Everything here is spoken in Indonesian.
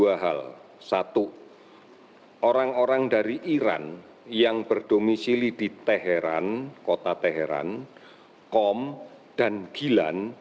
dua hal satu orang orang dari iran yang berdomisili di teheran kota teheran kom dan gilan